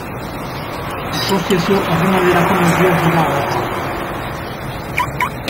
Asoziazio ordinalerako neurriak dira honako hauek.